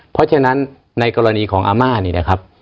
เพราะฉะนั้นในกรณีของอาม่านี่นะครับ